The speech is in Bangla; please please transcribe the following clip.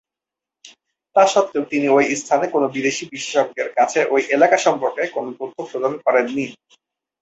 তাস্বত্ত্বেও তিনি ঐ স্থানে কোন বিদেশী বিশেষজ্ঞের কাছে ঐ এলাকা সম্পর্কে কোন তথ্য প্রদান করেননি।